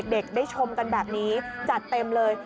เด็กได้ชมกันแบบนี้จัดเต็มเลย